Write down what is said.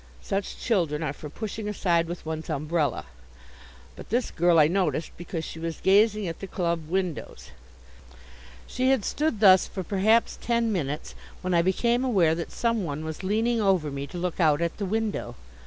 Such children are for pushing aside with one's umbrella; but this girl I noticed because she was gazing at the club windows. She had stood thus for perhaps ten minutes, when I became aware that some one was leaning over me, to look out at the window.